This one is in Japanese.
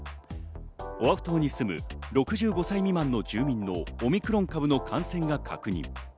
オアフ島に住む６５歳未満の住民のオミクロン株の感染が確認。